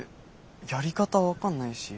やり方分かんないし。